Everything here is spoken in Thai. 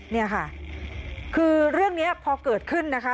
นี่ค่ะคือเรื่องนี้พอเกิดขึ้นนะคะ